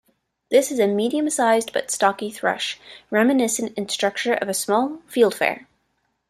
This is a medium-sized but stocky thrush, reminiscent in structure of a small fieldfare.